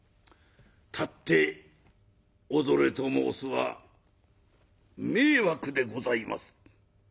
たって踊れと申すは迷惑でございます」。